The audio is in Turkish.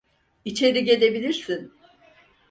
İçeri gelebilirsin.